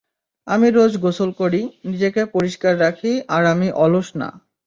আমি রোজ গোসল করি, নিজেকে পরিষ্কার রাখি আর আমি অলস না।